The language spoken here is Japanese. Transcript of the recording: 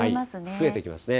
増えてきますね。